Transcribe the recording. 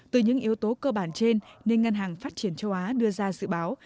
từ những yếu tố cơ bản trên nên ngân hàng phát triển châu á đưa ra dự báo